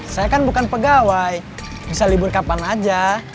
saya kan bukan pegawai bisa libur kapan aja